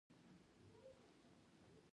چین په زیربناوو کې لوی پروژې لري.